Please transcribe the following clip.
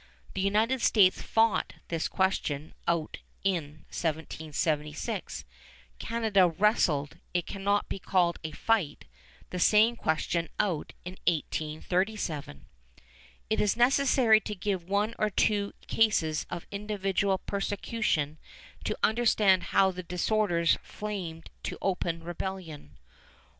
The United States fought this question out in 1776. Canada wrestled, it cannot be called a fight, the same question out in 1837. It is necessary to give one or two cases of individual persecution to understand how the disorders flamed to open rebellion.